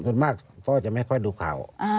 ส่วนมากพ่อจะไม่ค่อยดูข่าว